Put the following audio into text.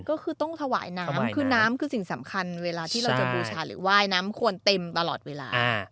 ก็คือต้องถวายน้ำคือน้ำคือสิ่งสำคัญเวลาที่เราจะบูชาหรือว่ายน้ำควรเต็มตลอดเวลา